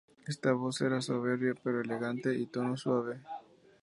Esta voz era soberbia, pero elegante y de tono suave.